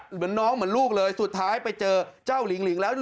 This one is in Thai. เหมือนน้องเหมือนลูกเลยสุดท้ายไปเจอเจ้าหลิงหลิงแล้ว